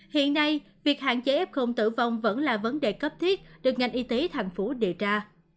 hiện nay việc hạn chế ép không tử vong vẫn là vấn đề cấp thiết được ngành y tế tp đề ra